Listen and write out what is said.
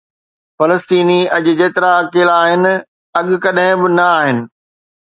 فلسطيني اڄ جيترا اڪيلا آهن، اڳ ڪڏهن به نه آهن.